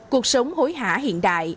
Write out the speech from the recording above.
cuộc sống hối hả hiện đại